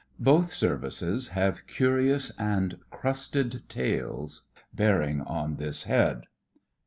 Both services have curious and crusted tales bearing on this head.